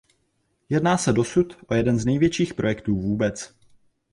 Jedná se dosud o jeden z největších projektů vůbec.